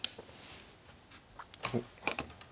おっ。